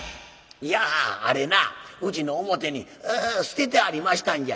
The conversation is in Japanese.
いやあれなうちの表に捨ててありましたんじゃ。